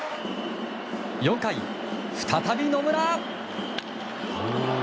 ４回、再び野村。